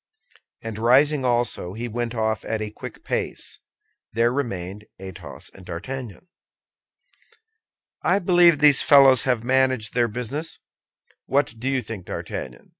And rising also, he went off at a quick pace. There remained Athos and D'Artagnan. "I believe these fellows have managed their business. What do you think, D'Artagnan?"